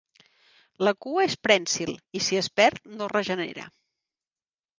La cua és prènsil i, si es perd, no es regenera.